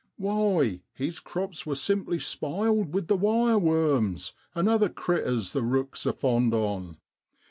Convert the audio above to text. Why, his crops wor simply spiled with the wire worams an' other critters the rooks are fond on.